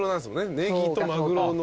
ネギとマグロの。